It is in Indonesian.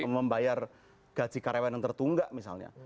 membayar gaji karyawan yang tertunggak misalnya